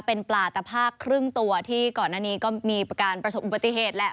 เป็นปลาตภาคครึ่งตัวที่ก่อนหน้านี้ก็มีการประสบอุบัติเหตุแหละ